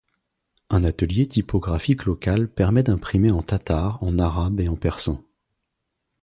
Un atelier typographique local permet d'imprimer en tatar en arabe et en persan.